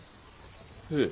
ええ。